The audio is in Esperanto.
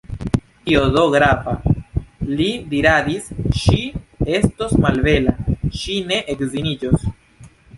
Kio do grava, li diradis, ŝi estos malbela, ŝi ne edziniĝos!